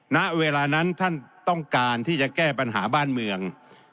ณเวลานั้นท่านต้องการที่จะแก้ปัญหาบ้านเมือง